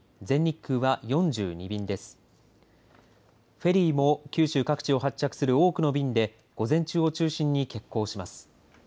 フェリーも九州各地を発着する多くの便で午前中を中心に欠航します。